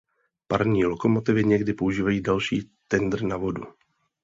Parní lokomotivy někdy používají další tendr na vodu.